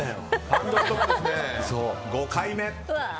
５回目！